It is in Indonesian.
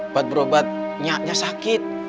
buat berobat nyaknya sakit